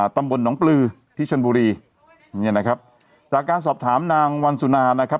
ตำบลหนองปลือที่ชนบุรีเนี่ยนะครับจากการสอบถามนางวันสุนานะครับ